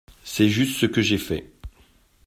C’est juste ce que j’ai fait.